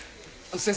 先生